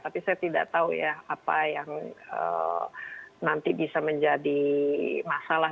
tapi saya tidak tahu ya apa yang nanti bisa menjadi masalah